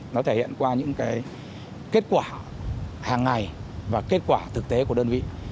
nó thể hiện qua những cái kết quả hàng ngày và kết quả thực tế của đơn vị